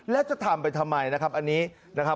แล้วจะทำไปทำไมนะครับอันนี้นะครับ